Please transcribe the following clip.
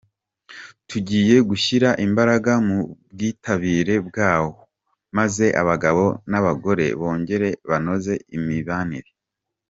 Tugiye gushyira imbaraga mu bwitabire bwawo maze abagabo n’abagore bongere banoze imibanire.